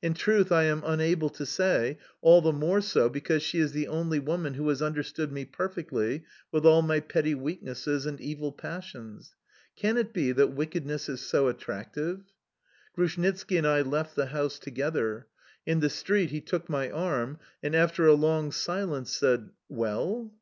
In truth, I am unable to say, all the more so because she is the only woman who has understood me perfectly, with all my petty weaknesses and evil passions... Can it be that wickedness is so attractive?... Grushnitski and I left the house together. In the street he took my arm, and, after a long silence, said: "Well?"